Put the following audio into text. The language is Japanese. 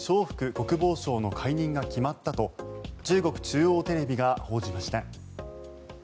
国防相の解任が決まったと中国中央テレビが報じました。